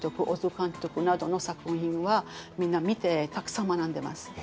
小津監督などの作品はみんな見てたくさん学んでます。